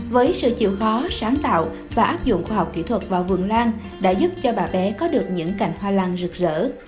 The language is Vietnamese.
với sự chịu khó sáng tạo và áp dụng khoa học kỹ thuật vào vườn lan đã giúp cho bà bé có được những cành hoa lan rực rỡ